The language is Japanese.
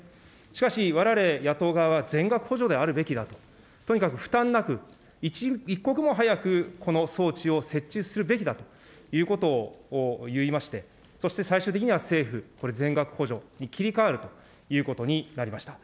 しかし、われわれ野党側は全額補助であるべきだと、とにかく負担なく、一刻も早く、この装置を設置するべきだということを言いまして、そして、最終的には政府、これ、全額補助に切り替わるということになりました。